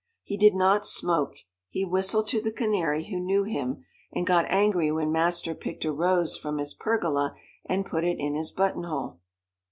He did not smoke, he whistled to the canary, who knew him, and got angry when master picked a rose from his pergola and put it in his buttonhole.